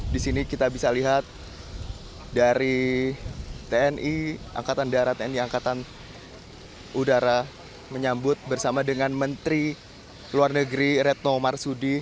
di sini kita bisa lihat dari tni angkatan darat tni angkatan udara menyambut bersama dengan menteri luar negeri retno marsudi